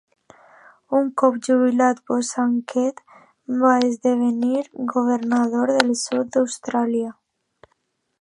Un cop jubilat Bosanquet va esdevenir governador del sud d'Austràlia.